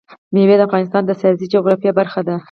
مېوې د افغانستان د سیاسي جغرافیه برخه ده.